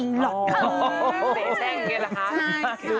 เสียแต้งเงียนเหรอคะใช่